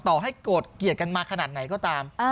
ต่อให้โกรธเกลียดกันมาขนาดไหนก็ตาม